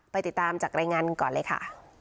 ติดตามจากรายงานก่อนเลยค่ะ